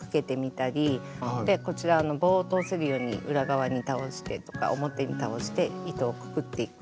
こちら棒を通せるように裏側に倒してとか表に倒して糸をくくっていく。